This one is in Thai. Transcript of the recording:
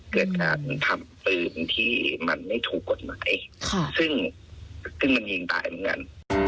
เกิดการทำปืนที่มันไม่ถูกกฎหมายซึ่งมันยิงตายเหมือนกัน